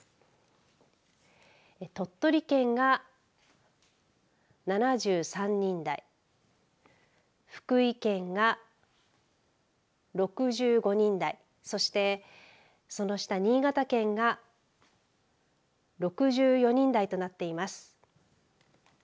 鳥取県が７３人台福井県が６５人台そしてその下、新潟県が６４人台となっています。